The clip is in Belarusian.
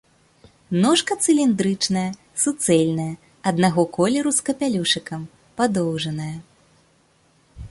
Ножка цыліндрычная, суцэльная, аднаго колеру з капялюшыкам, падоўжаная.